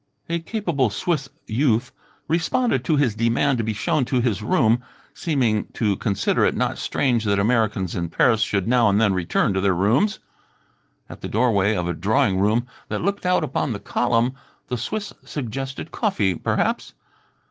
A capable Swiss youth responded to his demand to be shown to his room, seeming to consider it not strange that Americans in Paris should now and then return to their rooms. At the doorway of a drawing room that looked out upon the column the Swiss suggested coffee perhaps?